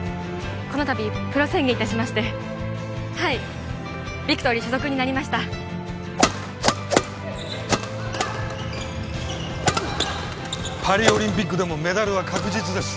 この度プロ宣言いたしましてはいビクトリー所属になりましたパリオリンピックでもメダルは確実です